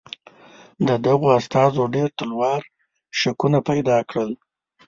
د دغو استازو ډېر تلوار شکونه پیدا کړل.